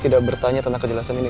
tidak bertanya tentang kejelasan ini